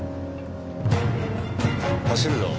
走るぞ。